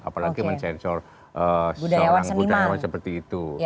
apalagi mensensor seorang budayawan seperti itu